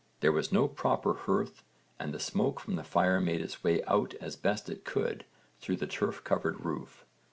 There was no proper hearth and the smoke from the fire made its way out as best it could through the turf covered roof.